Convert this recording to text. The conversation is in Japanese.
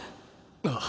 ああ。